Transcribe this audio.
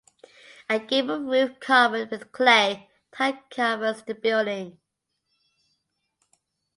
A gabled roof covered with clay tile covers the building.